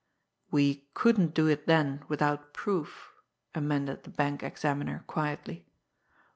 "We couldn't do it then without proof," amended the bank examiner quietly.